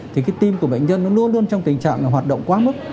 thì cái tim của bệnh nhân nó luôn luôn trong tình trạng hoạt động quá mức